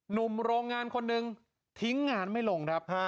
หนุ่มโรงงานคนหนึ่งทิ้งงานไม่ลงครับ